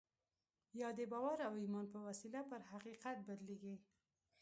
دا د باور او ایمان په وسیله پر حقیقت بدلېږي